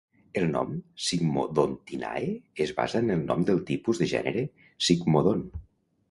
El nom "Sigmodontinae" es basa en el nom del tipus de gènere "Sigmodon".